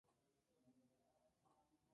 Editó y prologó "Cancionero.